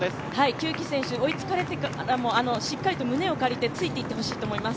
久木選手、追いつかれてからも、しっかりと胸を借りて追いついてほしいと思います。